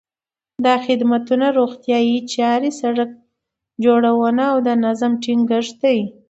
دا خدمتونه روغتیايي چارې، سړک جوړونه او د نظم ټینګښت دي.